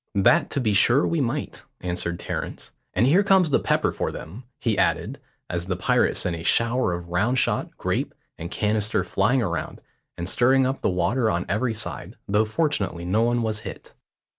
"That to be sure we might," answered Terence. "And here comes the pepper for them," he added, as the pirate sent a shower of round shot, grape, and canister flying around, and stirring up the water on every side, though fortunately no one was hit.